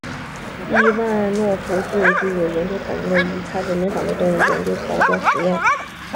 伊万诺夫最具争议的研究在于他的人与其他灵长类动物的杂交试验研究。